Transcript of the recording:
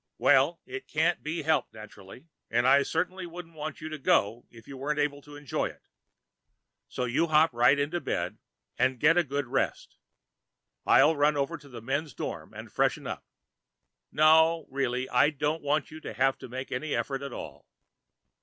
"Well, it can't be helped naturally, and I certainly wouldn't want you to go if you weren't able to enjoy it. So you hop right into bed and get a good rest. I'll run over to the men's dorm to freshen up. No, really, I don't want you to have to make any effort at all.